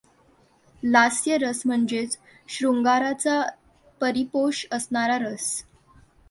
लास्य रस म्हणजेच शृंगाराचा परिपोष असणारा रस.